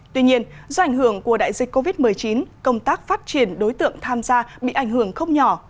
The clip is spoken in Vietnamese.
tuy nhiên do ảnh hưởng của đại dịch covid một mươi chín công tác phát triển đối tượng tham gia bị ảnh hưởng không nhỏ